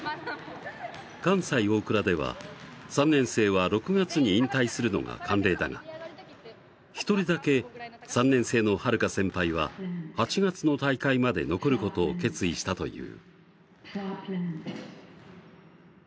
関西大倉では３年生は６月に引退するのが慣例だが１人だけ３年生のはるか先輩は８月の大会まで残ることを決意したという。